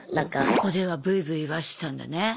そこではブイブイ言わせてたんだね。